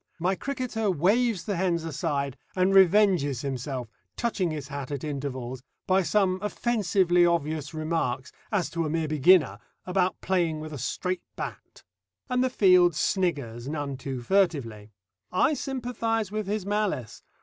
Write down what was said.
My cricketer waves the hens aside, and revenges himself, touching his hat at intervals, by some offensively obvious remarks as to a mere beginner about playing with a straight bat. And the field sniggers none too furtively. I sympathise with his malice.